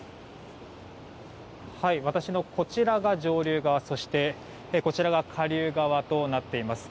私のこちらが上流側そしてこちらが下流側となっています。